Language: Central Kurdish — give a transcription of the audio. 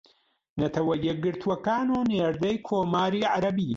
نەتەوە یەکگرتووەکان و نێردەی کۆمکاری عەرەبی